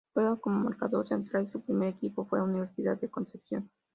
Juega como marcador central y su primer equipo fue Universidad de Concepción.